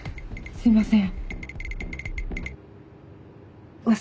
すいません。